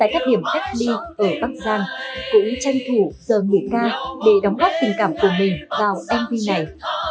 adli ở bắc giang cũng tranh thủ giờ nghỉ ca để đóng góp tình cảm của mình vào mv này